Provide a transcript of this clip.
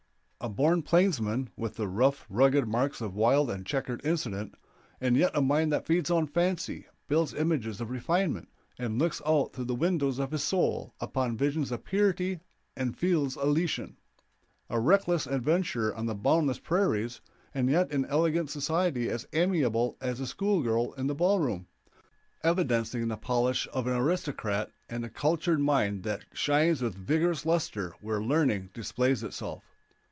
A born plainsman, with the rough, rugged marks of wild and checkered incident, and yet a mind that feeds on fancy, builds images of refinement, and looks out through the windows of his soul upon visions of purity and fields elysian. A reckless adventurer on the boundless prairies, and yet in elegant society as amiable as a school girl in the ball room; evidencing the polish of an aristocrat, and a cultured mind that shines with vigorous luster where learning displays itself.